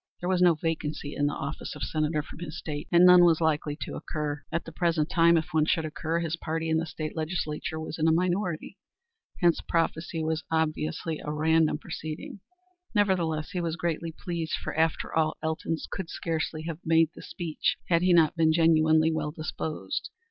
There was no vacancy in the office of Senator from his state, and none was likely to occur. At the present time, if one should occur, his party in the state legislature was in a minority. Hence prophecy was obviously a random proceeding. Nevertheless he was greatly pleased, for, after all, Elton would scarcely have made the speech had he not been genuinely well disposed.